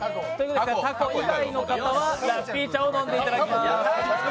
タコ以外の方はラッピー茶を飲んでいただきます。